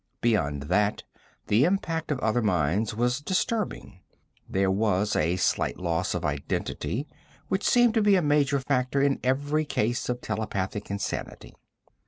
Beyond that, the impact of other minds was disturbing; there was a slight loss of identity which seemed to be a major factor in every case of telepathic insanity.